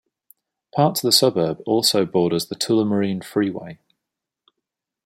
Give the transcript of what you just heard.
Parts of the suburb also borders the Tullamarine Freeway.